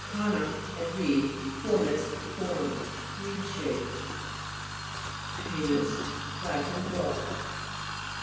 canna, a reed, formis, form. Reed shaped (p. 42). CANIS Lat. Dog.